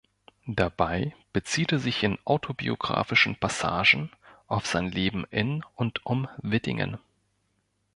Dabei bezieht er sich in autobiografischen Passagen auf sein Leben in und um Wittingen.